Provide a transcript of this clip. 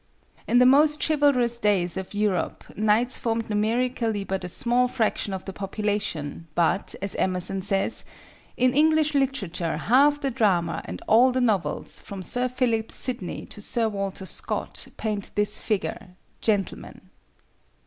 In the most chivalrous days of Europe, Knights formed numerically but a small fraction of the population, but, as Emerson says—"In English Literature half the drama and all the novels, from Sir Philip Sidney to Sir Walter Scott, paint this figure (gentleman)."